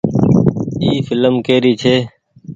اي ڦلم ڪي ري ڇي۔